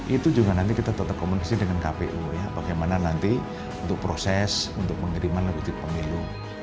itu juga nanti kita tetap komunikasi dengan kpu ya bagaimana nanti untuk proses untuk pengiriman lanjut pemilu